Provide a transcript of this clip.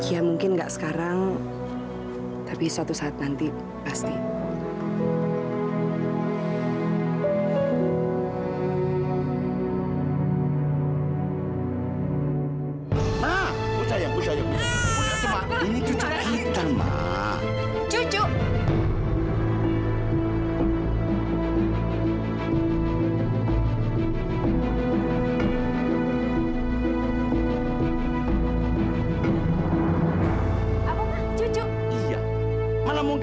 ya mungkin nggak sekarang